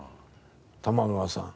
玉川さん。